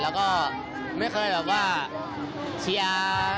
แล้วก็ไม่เคยแบบว่าเชียร์